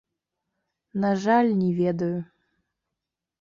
На жаль, не ведаю.